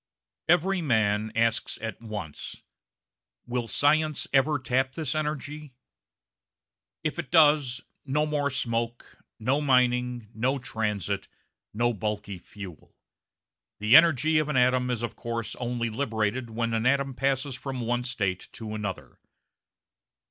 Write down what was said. Every man asks at once: "Will science ever tap this energy?" If it does, no more smoke, no mining, no transit, no bulky fuel. The energy of an atom is of course only liberated when an atom passes from one state to another.